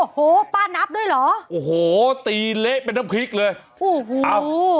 โอ้โหป้านับด้วยเหรอโอ้โหตีเละเป็นน้ำพริกเลยโอ้โหอ้าว